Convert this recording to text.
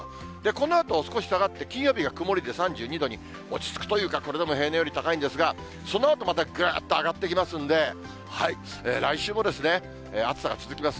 このあと少し下がって、金曜日が曇りで３２度に落ち着くというか、これでも平年より高いんですが、そのあとまた、ぐっと上がっていきますんで、来週も暑さが続きます。